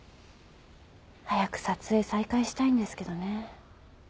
早く撮影再開したいんですけどね。